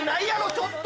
ちょっと！